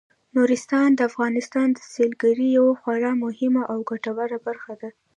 نورستان د افغانستان د سیلګرۍ یوه خورا مهمه او ګټوره برخه ده.